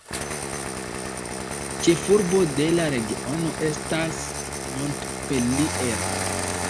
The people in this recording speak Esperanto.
Ĉefurbo de la regiono estas Montpellier.